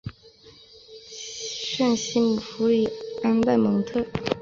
圣西姆福里安代蒙特。